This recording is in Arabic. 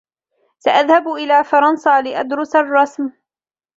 سأذهب إلى فرنسا لأدرس الرسم.